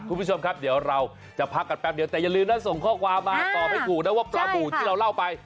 คุณผู้ชมครับเดี๋ยวเราจะพักกันแป๊บเดียวแต่อย่าลืมนะส่งข้อความมาตอบให้ถูกนะว่าปลาบูดที่เราเล่าไป